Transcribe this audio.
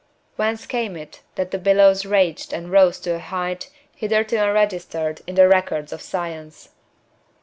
Whence came it that the billows raged and rose to a height hitherto unregistered in the records of science?